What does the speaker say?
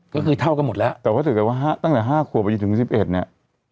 ก็คือเท่ากันหมดแล้วแต่ว่าถ้าเกิดว่าตั้งแต่๕ขวบไปจนถึง๑๑เนี่ย